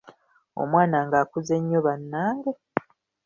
Omwana ng'akuze nnyo bannange.